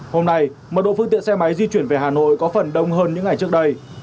hôm nay mật độ phương tiện xe máy di chuyển về hà nội có phần đông hơn những ngày trước đây